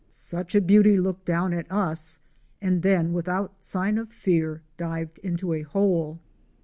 Such a beauty looked down at us, and then without sign of fear dived into a hole.